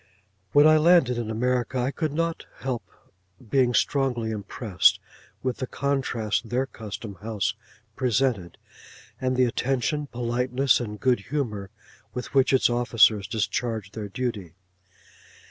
When I landed in America, I could not help being strongly impressed with the contrast their Custom house presented, and the attention, politeness and good humour with which its officers discharged their duty.